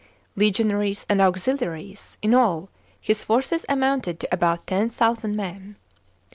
Legionaries and auxiliaries, in all, his forces amounted to about 10,000 men.